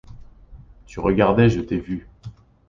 Tu regardais, je t’ai vue.